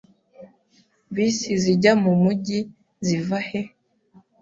Bisi zijya mumujyi ziva he?